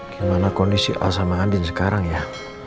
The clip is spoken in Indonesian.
gimana kondisi al sama andin sekarang ya